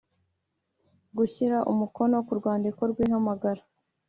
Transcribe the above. gushyira umukono ku rwandiko rw ihamagara